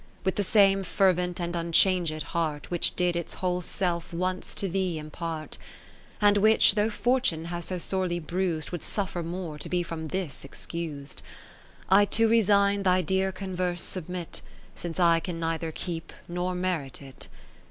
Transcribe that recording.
With the same fervent and unchanged heart Which did its whole self once to thee impart, (And which, though fortune has so sorely bruis'd. Would suffer more, to be from this excus'd) I to resign thy dear converse submit. Since I can neither keep, nor merit it.